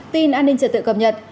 tin an ninh trật tự cập nhật